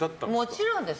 もちろんです。